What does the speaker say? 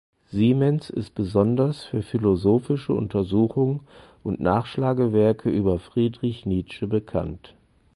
Siemens ist besonders für philosophische Untersuchungen und Nachschlagewerke über Friedrich Nietzsche bekannt.